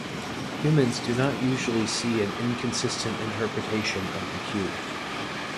Humans do not usually see an inconsistent interpretation of the cube.